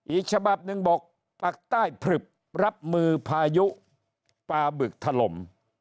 อีกฉบับหนึ่งบอกปากใต้ผลึบรับมือพายุปลาบึกถล่ม